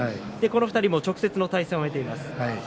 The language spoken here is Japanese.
この２人、直接の対戦を終えています。